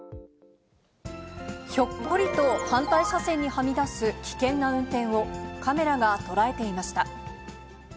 ひょっこりと反対車線にはみ出す危険な運転を、カメラが捉えていました。